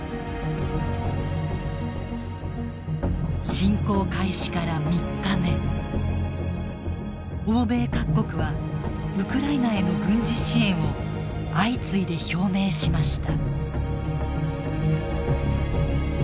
侵攻開始から３日目欧米各国はウクライナへの軍事支援を相次いで表明しました。